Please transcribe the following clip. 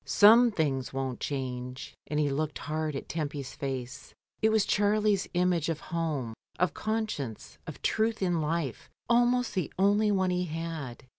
"Some things won't change," and he looked hard at Tempy's face. It was Charlie's image of home, of conscience, of truth in life, almost the only one he had.